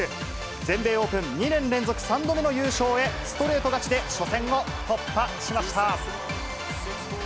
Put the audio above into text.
全米オープン２年連続３度目の優勝へ、ストレート勝ちで初戦を突破しました。